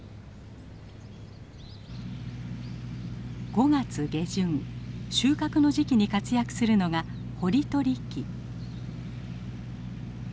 ５月下旬収穫の時期に活躍するのが掘取機。